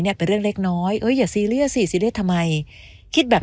เนี่ยเป็นเรื่องเล็กน้อยอย่าซีเรียสซีเรียสทำไมคิดแบบ